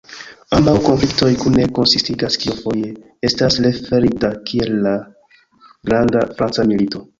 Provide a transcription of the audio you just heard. Ambaŭ konfliktoj kune konsistigas kio foje estas referita kiel la "'Granda Franca Milito'".